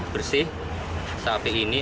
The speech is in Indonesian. bersih sapi ini